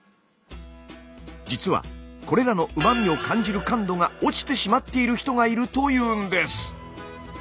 実はこれらのうま味を感じる感度が落ちてしまっている人がいるというんです。